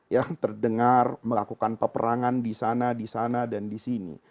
yang terdengar melakukan peperangan disana disana dan disini